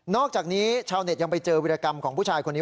อกจากนี้ชาวเน็ตยังไปเจอวิรากรรมของผู้ชายคนนี้